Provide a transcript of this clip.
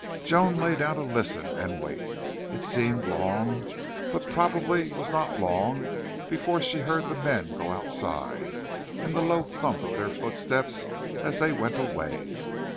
Joan lay down to listen and wait. It seemed long, but probably was not long before she heard the men go outside, and the low thump of their footsteps as they went away.